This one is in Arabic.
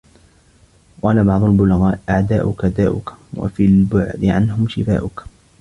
وَقَالَ بَعْضُ الْبُلَغَاءِ أَعْدَاؤُك دَاؤُك وَفِي الْبُعْدِ عَنْهُمْ شِفَاؤُك